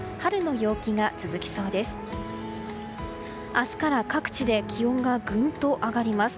明日から各地で気温がぐんと上がります。